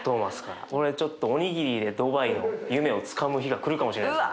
これちょっとおにぎりでドバイを夢をつかむ日が来るかもしれないですね。